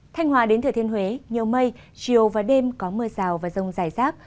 thanh hòa đến thừa thiên huế nhiều mây chiều và đêm có mưa rào và rông rải rác